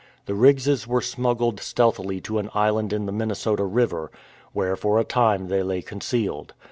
The Riggses were smuggled stealthily to an island in the Minnesota River, where for a time they lay concealed.